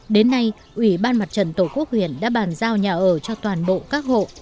đến nay ủy ban mặt trận tổ quốc huyện đã bàn giao nhà ở cho toàn bộ các hộ